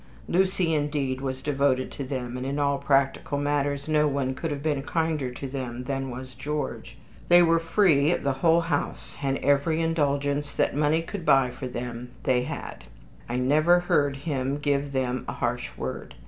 Lucy indeed was devoted to them, and in all practical matters no one could have been kinder to them than was George. They were free of the whole house, and every indulgence that money could buy for them they had. I never heard him give them a harsh word.